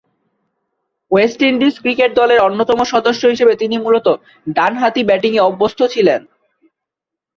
West Indies cricket দলের অন্যতম সদস্য হিসেবে তিনি মূলতঃ ডানহাতি ব্যাটিংয়ে অভ্যস্ত ছিলেন।